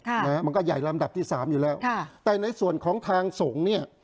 ค่ะนะฮะมันก็ใหญ่ลำดับที่สามอยู่แล้วค่ะแต่ในส่วนของทางสงฆ์เนี่ย